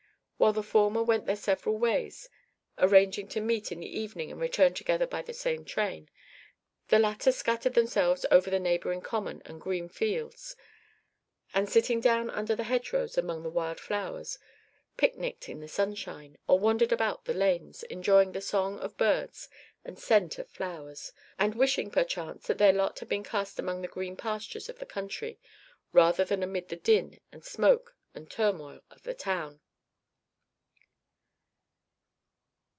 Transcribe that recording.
While the former went their several ways, arranging to meet in the evening and return together by the same train, the latter scattered themselves over the neighbouring common and green fields, and, sitting down under the hedgerows among the wild flowers, pic nicked in the sunshine, or wandered about the lanes, enjoying the song of birds and scent of flowers, and wishing, perchance, that their lot had been cast among the green pastures of the country, rather than amid the din and smoke and turmoil of the town.